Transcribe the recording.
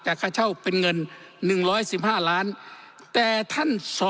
จากค่าเช่าเป็นเงิน๑๑๕ล้านแต่ท่านเรารู้สึกว่า